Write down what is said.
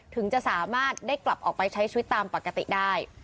ถึงจะสามารถได้กลับออกไปใช้ชีวิตตามปกติได้